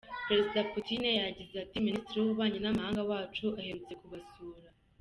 Perezida Putin yagize ati “Minisitiri w’Ububanyi n’Amahanga wacu aherutse kubasura.